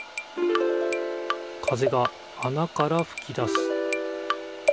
風があなからふき出す。